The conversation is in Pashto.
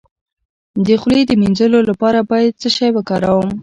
د خولې د مینځلو لپاره باید څه شی وکاروم؟